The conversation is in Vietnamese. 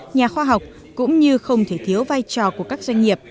nhà khoa học cũng như không thể thiếu vai trò của các doanh nghiệp